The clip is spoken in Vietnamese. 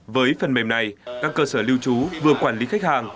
với phần mềm này các cơ sở lưu trú vừa quản lý khách hàng